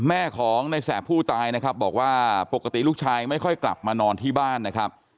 แม่ของในแสบผู้ตายนะครับบอกว่าปกติลูกชายไม่ค่อยกลับมานอนที่บ้านนะครับ